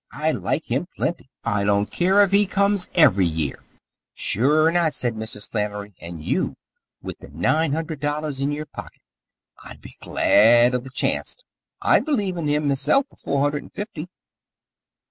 I like him plenty. I don't care if he comes every year." "Sure not," said Mrs. Flannery, "and you with th' nine hundred dollars in yer pocket. I'd be glad of the chanst. I'd believe in him, mesilf, for four hundred and fifty."